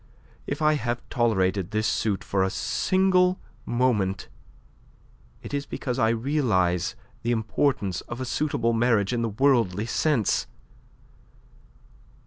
If I have tolerated this suit for a single moment, it is because I realize the importance of a suitable marriage in the worldly sense.